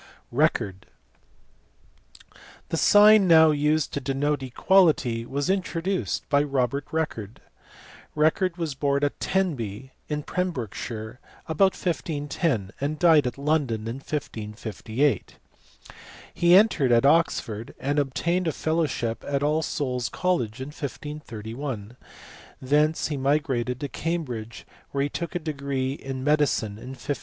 Record. The sign now used to denote equality was in troduced by Robert Record*. Record was born at Tenby in Pembrokeshire about 1510 and died at London in 1558. He entered at Oxford, and obtained a fellowship at All Souls College in 1531 ; thence he migrated to Cambridge, where he took a degree in medicine in 1545.